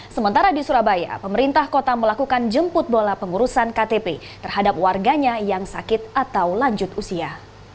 sementara di surabaya pemerintah kota melakukan jemput bola pengurusan ktp terhadap warganya yang sakit atau lanjut usia